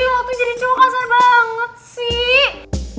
waktu jadi cowok kasar banget sih